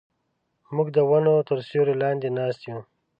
موږ د ونو تر سیوري لاندې ناست یو.